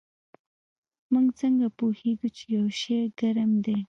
موږ څنګه پوهیږو چې یو شی ګرم دی